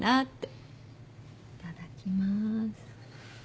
いただきます。